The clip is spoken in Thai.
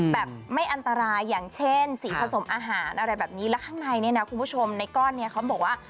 แบบไม่อันตรายอย่างเช่นสีผสมอาหารอะไรแบบนี้แล้วข้างในเนี่ยนะคุณผู้ชมในก้อนนี้เขาบอกว่า